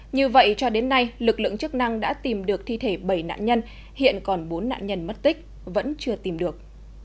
như vậy cho đến nay lực lượng chức năng đã tìm được thi thể bảy nạn nhân hiện còn bốn nạn nhân mất tích vẫn chưa tìm được